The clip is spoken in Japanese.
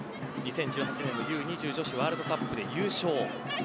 ２０１８年のＵ‐２０女子ワールドカップで優勝。